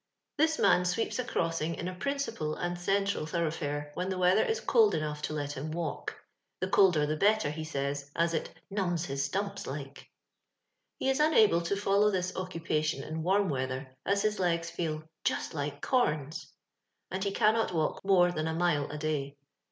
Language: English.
Tuxs man sweeps a crossing in a principal and central thoronghfare when the weather is cold enough to let him walk ; the colder the better, He says, as it numbs his stumps like.* He fa unable to follow this occupation in worm weather, as hfa legs fool <*just like corns," and he cannot walk more than a mile a day.